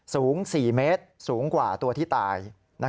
สูง๔เมตรสูงกว่าตัวที่ตาย